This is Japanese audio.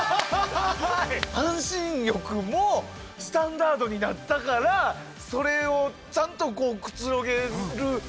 半身浴もスタンダードになったからそれをちゃんとこうくつろげる。